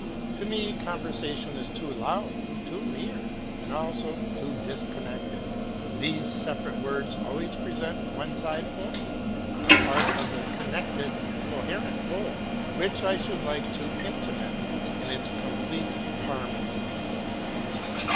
To me conversation is too loud, too near, and also too disconnected. These separate words always present one side only, a part of the connected, coherent whole, which I should like to intimate in its complete harmony.